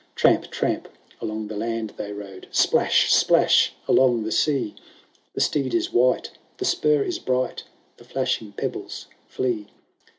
XLVII Tramp ! tramp ! along the land they rode; Splash ! splash ! along the sea ; The steed is wight, the spur is bright, The flashing pebbles flee.